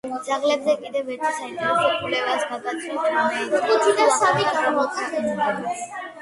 ძაღლებზე კიდევ ერთ საინტერესო კვლევას გაგაცნობთ, რომელიც სულ ახლახან გამოქვეყნდა.